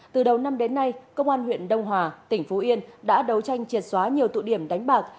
từ đầu năm đến nay công an huyện đông hòa tỉnh phú yên đã đấu tranh triệt xóa nhiều tụ điểm đánh bạc